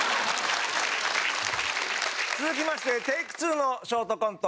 続きましてＴａｋｅ２のショートコント